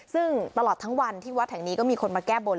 ซึ่งตลอดทั้งวันที่วัดแห่งนี้ก็มีคนมาแก้บน